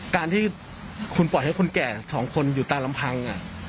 การที่คุณปล่อยให้คนแก่สองคนอยู่ตามลำพัง